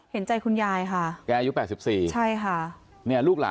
เห็นใจคุณยายค่ะ